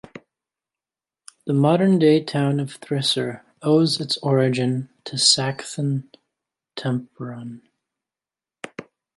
The modern day town of Thrissur owes its origin to Sakthan Thampuran.